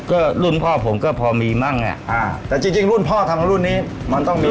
ก็รุ่นพ่อผมก็พอมีมั่งไงอ่าแต่จริงจริงรุ่นพ่อทำรุ่นนี้มันต้องมี